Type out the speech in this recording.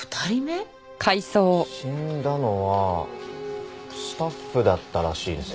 死んだのはスタッフだったらしいですよ。